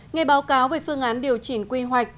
nghe báo cáo về phương án điều chỉnh quy hoạch